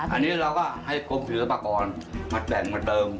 อันนี้เราก็ให้กรมศิลปากรมาแบ่งเหมือนเดิม